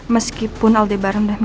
meskipun aldebaran itu dikonsumsi